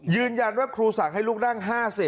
ยืนยันว่าครูสั่งให้ลุกนั่ง๕๐